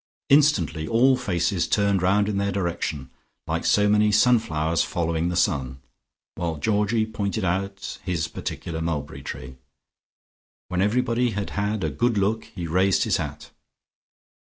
Instantly all faces turned round in their direction, like so many sunflowers following the sun, while Georgie pointed out his particular mulberry tree. When everybody had had a good look, he raised his hat.